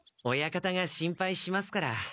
親方が心配しますから。